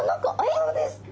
そうです。